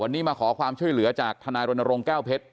วันนี้มาขอความช่วยเหลือจากทนายรณรงค์แก้วเพชร